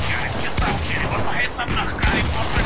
د روغتيا عادتونه په دوام تعقيب کړئ.